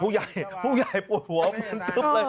ผู้ใหญ่ปลูกหัวมันซึมเลย